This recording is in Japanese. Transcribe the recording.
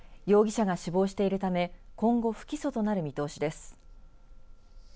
容疑者が死亡しているため今後、不起訴となる見通しです。